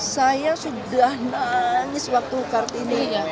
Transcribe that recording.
saya sudah nangis waktu kartini